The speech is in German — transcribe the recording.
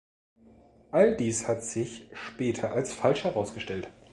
All dies hat sich später als falsch herausgestellt.